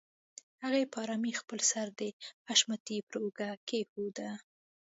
هغې په آرامۍ خپل سر د حشمتي پر اوږه کېښوده.